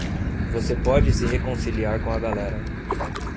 Você pode se reconciliar com a galera.